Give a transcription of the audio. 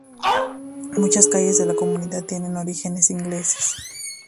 Muchas calles de la comunidad tienen origines ingleses.